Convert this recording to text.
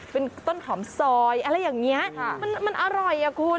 เป็นต้นหอมซอยอะไรอย่างนี้มันอร่อยอ่ะคุณ